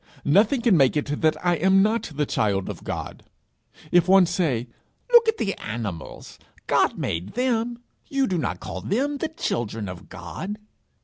nothing can make it that I am not the child of God. If one say, "Look at the animals: God made them: you do not call them the children of God!"